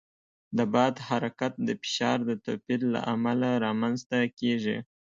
د باد حرکت د فشار د توپیر له امله رامنځته کېږي.